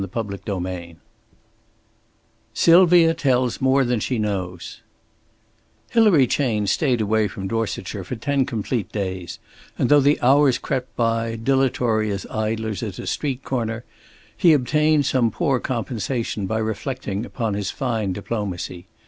CHAPTER XVII SYLVIA TELLS MORE THAN SHE KNOWS Hilary Chayne stayed away from Dorsetshire for ten complete days; and though the hours crept by, dilatory as idlers at a street corner, he obtained some poor compensation by reflecting upon his fine diplomacy.